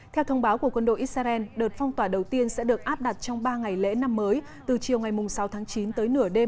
theo thông báo của quân đội israel đợt phong tỏa đầu tiên sẽ được áp đặt trong ba ngày lễ năm mới từ chiều ngày sáu tháng chín tới nửa đêm